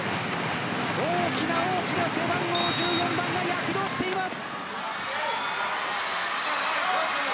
大きな大きな背番号１４番が躍動しています。